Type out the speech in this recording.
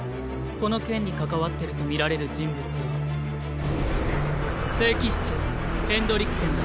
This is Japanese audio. この件に関わってるとみられる人物は聖騎士長ヘンドリクセンだ。